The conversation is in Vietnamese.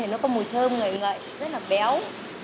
nó có mùi thơm ngậy ngậy rất là béo